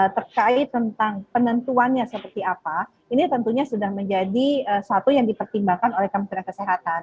terkait tentang penentuannya seperti apa ini tentunya sudah menjadi satu yang dipertimbangkan oleh kementerian kesehatan